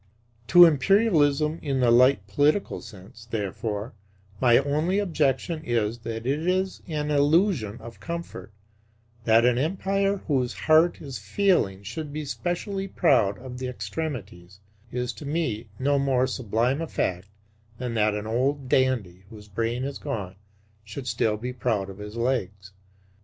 To Imperialism in the light political sense, therefore, my only objection is that it is an illusion of comfort; that an Empire whose heart is failing should be specially proud of the extremities, is to me no more sublime a fact than that an old dandy whose brain is gone should still be proud of his legs.